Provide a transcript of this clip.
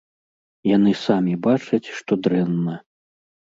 Яны самі бачаць, што дрэнна.